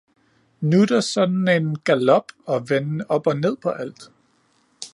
Nu er der sådan en galop og venden op og ned på alt